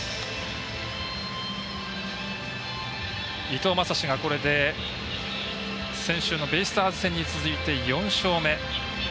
伊藤将司がこれで、先週のベイスターズ戦に続いて４勝目。